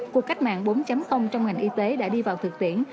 cuộc cách mạng bốn trong ngành y tế đã đi vào thực tiễn